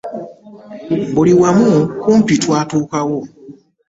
Buli wamu kumpi twatuukawo.